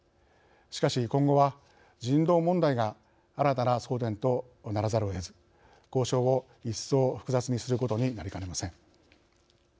しかし今後は、人道問題が新たな争点とならざるをえず交渉を一層、複雑にすることになりかねません。